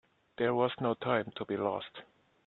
There was no time to be lost.